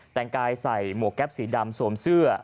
แต่งกายใส่หมวกแก๊ปสีดำสวมเสื้อ